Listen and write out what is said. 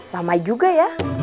lama juga ya